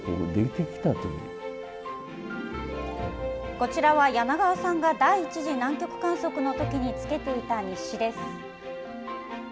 こちらは柳川さんが第１次南極観測のときにつけていた日誌です。